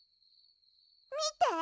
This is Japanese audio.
みて。